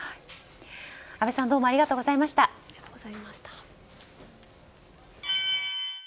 阿部さんどうもありがとうございました。